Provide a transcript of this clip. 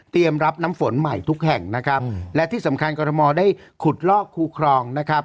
รับน้ำฝนใหม่ทุกแห่งนะครับและที่สำคัญกรทมได้ขุดลอกคูครองนะครับ